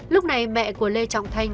lúc này mẹ của lê trọng thành